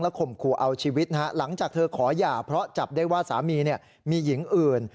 ข่มขู่เอาชีวิตนะฮะหลังจากเธอขอหย่าเพราะจับได้ว่าสามีมีหญิงอื่น